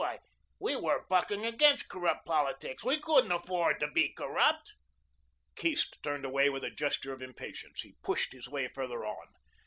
Why, we were bucking against corrupt politics. We couldn't afford to be corrupt." Keast turned away with a gesture of impatience. He pushed his way farther on.